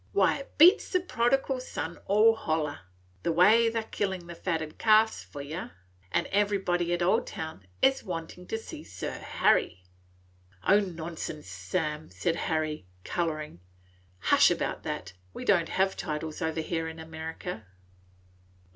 Why, it beats the Prodigal Son all holler, the way they 're killin' the fatted calves for yer; an' everybody in Oldtown 's a wantin' to see Sir Harry." "O nonsense, Sam!" said Harry, coloring. "Hush about that! We don't have titles over here in America."